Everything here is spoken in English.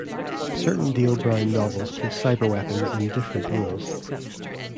Certain Dale Brown novels place cyberweapons in different roles.